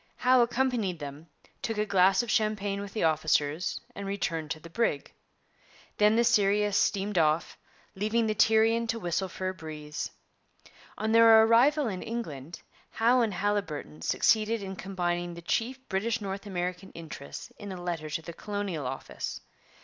Howe accompanied them, took a glass of champagne with the officers, and returned to the brig. Then the Sirius steamed off, leaving the Tyrian to whistle for a breeze. On their arrival in England, Howe and Haliburton succeeded in combining the chief British North American interests in a letter to the Colonial Office.